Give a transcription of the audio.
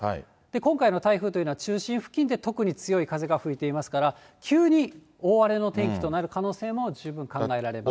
今回の台風というのは、中心付近で特に強い風が吹いていますから、急に大荒れの天気となる可能性も十分考えられます。